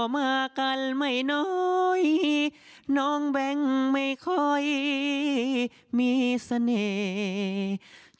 มากันไม่น้อยน้องแบงค์ไม่ค่อยมีเสน่ห์